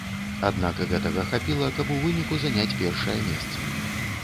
Аднак гэтага хапіла, каб у выніку заняць першае месца.